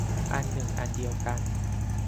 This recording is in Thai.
อันหนึ่งอันเดียวกัน